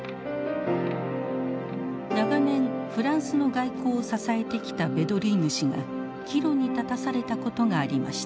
長年フランスの外交を支えてきたヴェドリーヌ氏が岐路に立たされたことがありました。